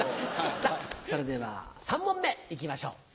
さぁそれでは３問目いきましょう。